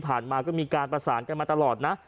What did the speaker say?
มาก็มีการประสานกันมาตลอดนะ